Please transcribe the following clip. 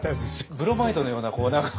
ブロマイドのようなこう何か。